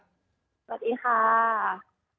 สวัสดีค่ะ